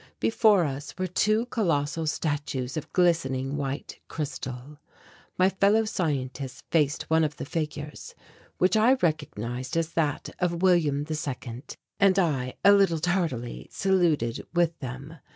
Before us were two colossal statues of glistening white crystal. My fellow scientists faced one of the figures, which I recognized as that of William II, and I, a little tardily, saluted with them.